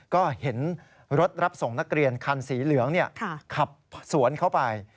ก็เห็นรถรับส่งนักเรียนคันสีเหลืองขับสวนเข้าไป